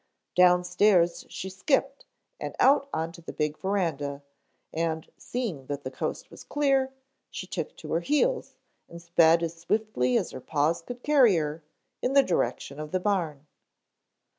Downstairs she skipped and out on to the big verandah, and seeing that the coast was clear she took to her heels and sped as swiftly as her paws could carry her in the direction of the barn.